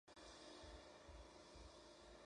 Predominan cerezos, almendros y olivos.